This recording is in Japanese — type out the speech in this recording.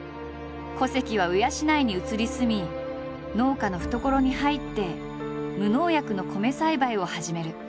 古関は鵜養に移り住み農家の懐に入って無農薬の米栽培を始める。